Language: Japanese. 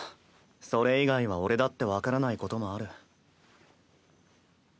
それ以外は俺だって分からないこともある。